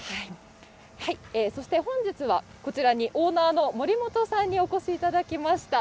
そして、本日は、こちらにオーナーの森本さんにお越しいただきました。